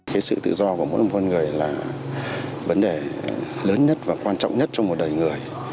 cái sự tự do của mỗi một con người là vấn đề lớn nhất và quan trọng nhất trong một đời người